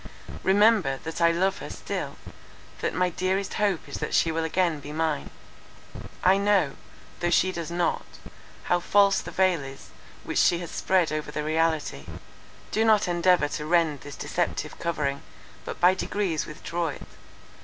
Remember, that I love her still, that my dearest hope is that she will again be mine. I know, though she does not, how false the veil is which she has spread over the reality—do not endeavour to rend this deceptive covering, but by degrees withdraw it.